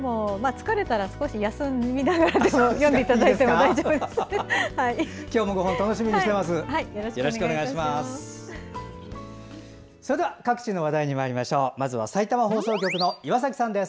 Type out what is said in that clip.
疲れたら少し目を休ませて読んでいただいて大丈夫です。